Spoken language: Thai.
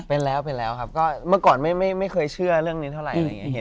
เป็นแล้วครับก็เมื่อก่อนไม่เคยเชื่อเรื่องนี้เท่าไร